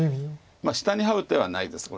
下にハウ手はないですが。